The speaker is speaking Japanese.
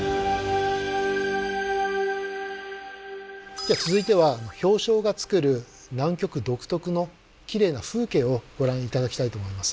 じゃあ続いては氷床がつくる南極独特のきれいな風景をご覧頂きたいと思います。